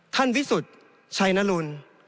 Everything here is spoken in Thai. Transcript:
ท่านวิสุทธิ์ชัยนรุน